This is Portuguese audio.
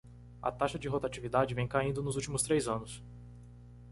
A taxa de rotatividade vem caindo nos últimos três anos.